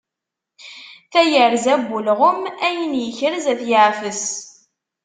Tayerza n ulɣem, ayen ikrez ad t-yeɛfes.